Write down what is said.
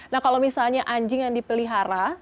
nah kalau misalnya anjing yang dipelihara